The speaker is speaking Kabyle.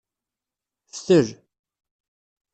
Ftel.